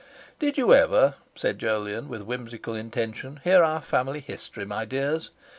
"Did you ever," said Jolyon with whimsical intention, "hear our family history, my dears?